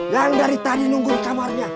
yang dari tadi nunggu di kamarnya